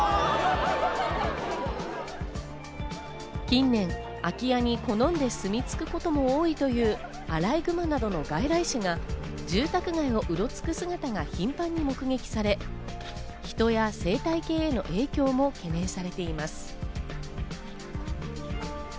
近年、空き家に好んで住み着くことも多いというアライグマなどの外来種が住宅街をうろつく姿が頻繁に目撃され、人や生態系への影響も懸念されています。